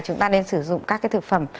chúng ta nên sử dụng các cái thực phẩm